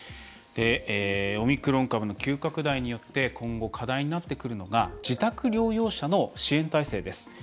オミクロン株の急拡大によって今後、課題になってくるのが自宅療養者の支援態勢です。